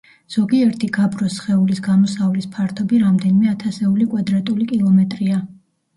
ზოგიერთი გაბროს სხეულის გამოსავლის ფართობი რამდენიმე ათასეული კვადრატული კილომეტრია.